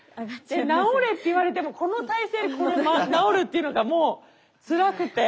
直れって言われてもこの体勢で直るっていうのがもうつらくて。